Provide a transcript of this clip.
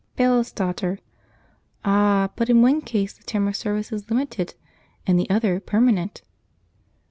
Bailiff's Daughter. "Ah! but in one case the term of service is limited; in the other, permanent."